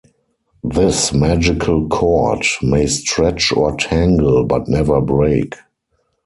This magical cord may stretch or tangle, but never break.